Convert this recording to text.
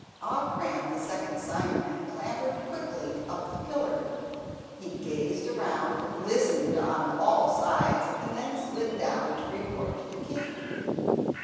Off ran the second Simon and clambered quickly up the pillar. He gazed around, listened on all sides, and then slid down to report to the king.